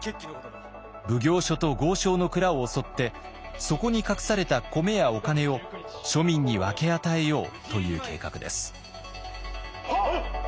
奉行所と豪商の蔵を襲ってそこに隠された米やお金を庶民に分け与えようという計画です。